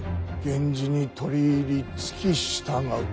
源氏に取り入り付き従う。